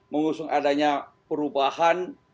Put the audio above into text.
mengusung adanya perubahan